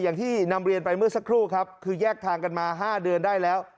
อย่างที่นำเรียนไปเมื่อสักครู่ครับคือแยกทางกันมา๕เดือนได้แล้ว